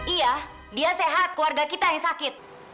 iya dia sehat keluarga kita yang sakit